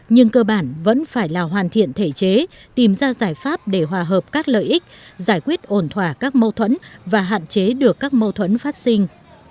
nhưng cơ bản vẫn phải là hoàn thiện thể chế tìm ra giải pháp để hòa hợp các lợi ích giải quyết ổn thỏa các mâu thuẫn và hạn chế được các mâu thuẫn phát sinh